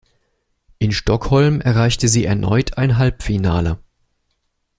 In Stockholm erreichte sie erneut ein Halbfinale.